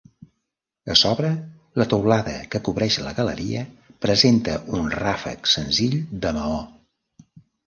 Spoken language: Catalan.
A sobre, la teulada que cobreix la galeria presenta un ràfec senzill de maó.